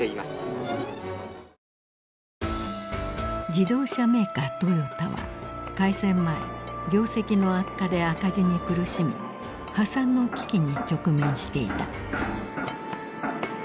自動車メーカートヨタは開戦前業績の悪化で赤字に苦しみ破産の危機に直面していた。